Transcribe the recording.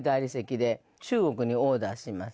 中国にオーダーします